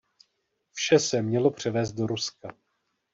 Vše se mělo převézt do Ruska.